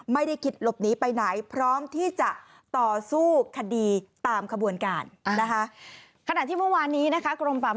ไม่ได้คิดหลบหนีไปไหนพร้อมที่จะต่อสู้คดีตามขบวนการนะคะ